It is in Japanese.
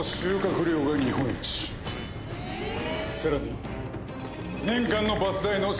さらに。